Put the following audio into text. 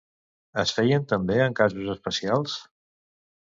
Es feien també en casos especials?